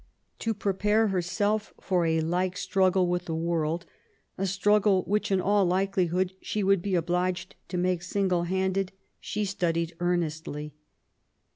To prepare herself for a like struggle with the world, a struggle which in all likelihood she would be obliged to make single handed, she studied earnestly.